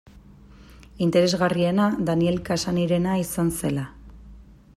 Interesgarriena Daniel Cassany-rena izan zela.